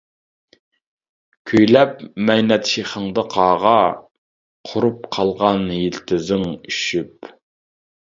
كۈيلەپ مەينەت شېخىڭدا قاغا، قۇرۇپ قالغان يىلتىزىڭ ئۈششۈپ.